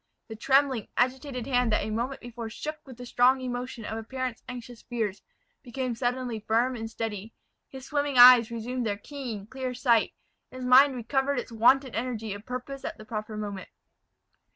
The trembling, agitated hand that a moment before shook with the strong emotion of a parent's anxious fears, became suddenly firm and steady; his swimming eyes resumed their keen, clear sight, and his mind recovered its wonted energy of purpose at the proper moment.